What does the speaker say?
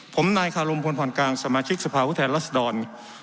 ผมนายคารมพลพรกลางสมาชิกสภาพุทธแทนรัศดร